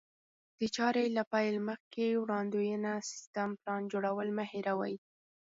د چارې له پيل مخکې وړاندوینه، سيستم، پلان جوړول مه هېروئ.